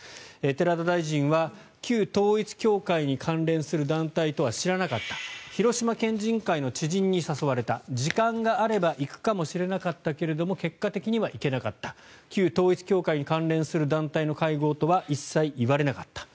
寺田大臣は旧統一教会に関連する団体とは知らなかった広島県人会の知人に誘われた時間があれば行くかも知れなかったけれども結果的には行けなかった旧統一教会に関連する団体の会合とは一切言われなかった。